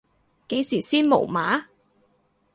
幾時先無碼？